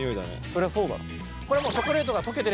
そりゃそうだろ。